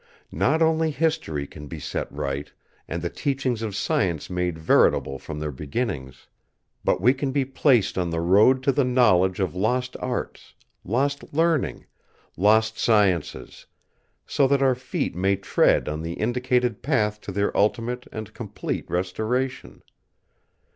Not only history can be set right, and the teachings of science made veritable from their beginnings; but we can be placed on the road to the knowledge of lost arts, lost learning, lost sciences, so that our feet may tread on the indicated path to their ultimate and complete restoration.